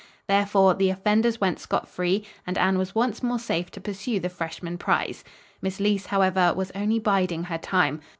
Therefore the offenders went scot free and Anne was once more safe to pursue the freshman prize. Miss Leece, however, was only biding her time.